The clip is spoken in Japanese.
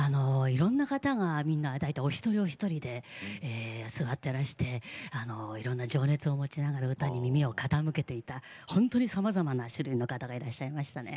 いろんな方がみんな大体お一人お一人で座ってらしていろんな情熱を持ちながら歌に耳を傾けていた本当にさまざまな種類の方がいらっしゃいましたね。